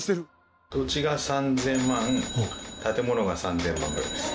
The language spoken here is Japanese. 土地が３０００万建物が３０００万ぐらいです。